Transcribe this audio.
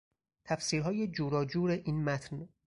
تفسیرهای جوراجور این متن